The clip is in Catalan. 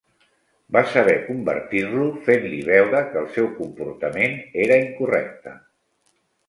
Va saber convertir-lo fent-li veure que el seu comportament era incorrecte.